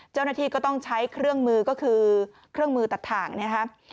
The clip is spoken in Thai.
เจ้าหน้าที่ก็ต้องใช้เครื่องมือก็คือเครื่องมือตัดถ่างนะครับ